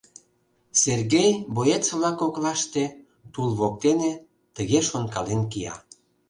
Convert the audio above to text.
Сергей боец-влак коклаште, тул воктене, тыге шонкален кия.